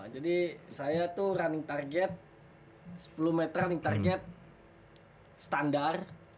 jadi saya tuh landing target sepuluh meter landing target standar